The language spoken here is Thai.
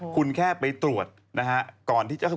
คุณแค่ไปตรวจนะฮะ